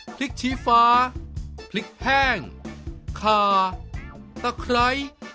พริกชี้ฟ้าพริกแห้งขาตะไคร้